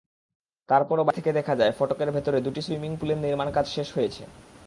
তারপরও বাইরে থেকে দেখা যায়, ফটকের ভেতরে দুটি সুইমিংপুলের নির্মাণকাজ শেষ হয়েছে।